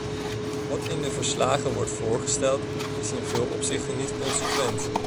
Wat in de verslagen wordt voorgesteld, is in veel opzichten niet consequent.